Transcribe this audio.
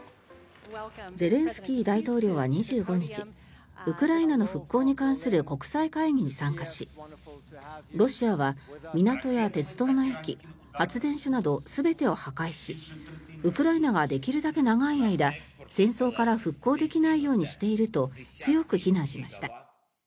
ゼレンスキー大統領は２５日ウクライナの復興に関する国際会議に参加しロシアは港や鉄道の駅発電所など全てを破壊しウクライナができるだけ長い間戦争から復興できないようにしていると強く非難しました。